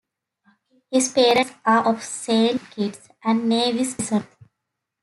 His parents are of Saint Kitts and Nevis descent.